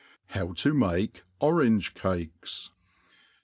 How to make Orange Cakes.